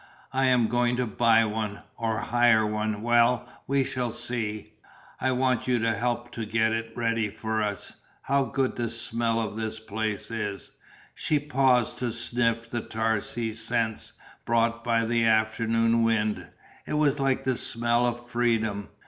I am going to buy one or hire one well, we shall see. I want you to help to get it ready for us. How good the smell of this place is," she paused to sniff the tar sea scents brought by the afternoon wind. It was like the smell of Freedom.